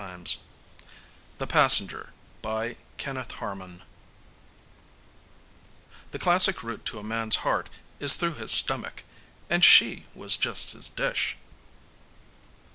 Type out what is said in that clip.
net THE PASSENGER By KENNETH HARMON _The classic route to a man's heart is through his stomach and she was just his dish.